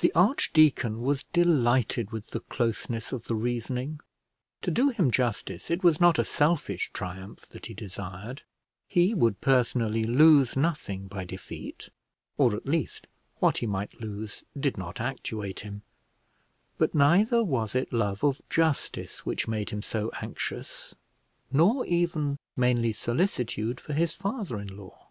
The archdeacon was delighted with the closeness of the reasoning. To do him justice, it was not a selfish triumph that he desired; he would personally lose nothing by defeat, or at least what he might lose did not actuate him; but neither was it love of justice which made him so anxious, nor even mainly solicitude for his father in law.